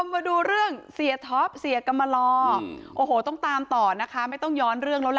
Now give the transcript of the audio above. มาดูเรื่องเสียท็อปเสียกรรมลอโอ้โหต้องตามต่อนะคะไม่ต้องย้อนเรื่องแล้วล่ะ